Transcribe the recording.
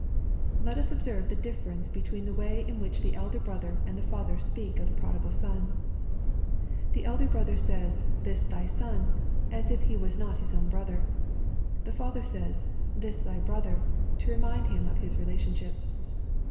Let us observe the diJSerence between the way in which the elder brother and the father speak of the prodigal son. The elder brother says, " this thy son," as if he was not his own brother. The father says, " this thy brother," to remind him of his relation ship.